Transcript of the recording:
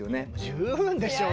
十分でしょう。